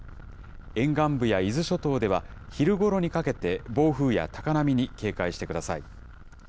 沿岸部や伊豆諸島では、昼ごろにかけて、暴風や高波に警戒してください。